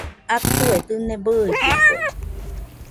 Atue dɨne bɨidɨkue